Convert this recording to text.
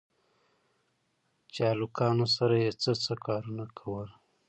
چې هلکانو سره يې څه څه کارونه کول.